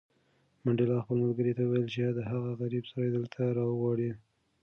منډېلا خپل ملګري ته وویل چې هغه غریب سړی دلته راوغواړه.